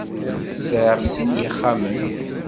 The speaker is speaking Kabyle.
Sɛiɣ sin n yixxamen.